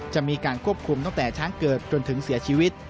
จะมีการควบคุมตั้งแต่ช้างเกิดจนถึงเสียชีวิต